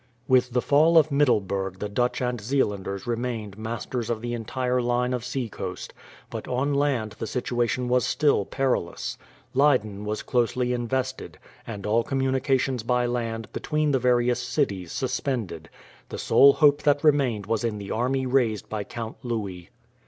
With the fall of Middleburg the Dutch and Zeelanders remained masters of the entire line of sea coast, but on land the situation was still perilous. Leyden was closely invested, and all communications by land between the various cities suspended. The sole hope that remained was in the army raised by Count Louis.